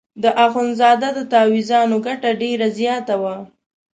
د اخندزاده د تاویزانو ګټه ډېره زیاته وه.